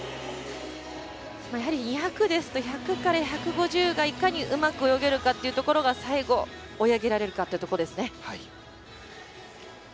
やはり２００ですと１００から１５０がいかに、うまく泳げるかっていうところが最後、追い上げられるかというところですね。